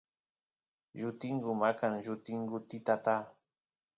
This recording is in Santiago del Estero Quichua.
llutingu maqan llutingutitata